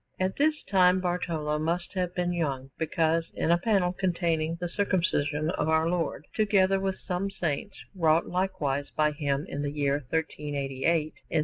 At this time Bartolo must have been young, because in a panel containing the Circumcision of Our Lord, together with some saints, wrought likewise by him in the year 1388 in S.